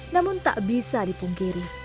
namun tak bisa dipungkiri